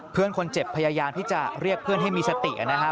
เพื่อนคนเจ็บพยายามที่จะเรียกเพื่อนให้มีสตินะครับ